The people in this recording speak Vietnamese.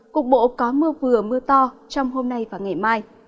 cục bộ có mưa vừa mưa to trong hôm nay và ngày mai